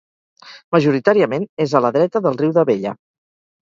Majoritàriament és a la dreta del riu d'Abella.